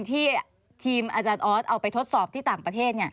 ที่ทีมอาจารย์ออสเอาไปทดสอบที่ต่างประเทศ